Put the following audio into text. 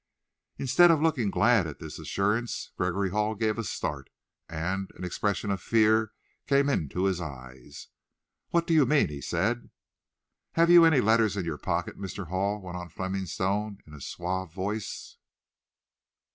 Instead of looking glad at this assurance, Gregory Hall gave a start, and an expression of fear came into his eyes. "What do you mean?" he said, "Have you any letters in your pocket, Mr. Hall?" went on Fleming Stone in a suave voice.